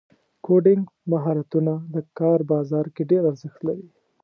کوډینګ مهارتونه د کار بازار کې ډېر ارزښت لري.